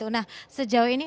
nah sejauh ini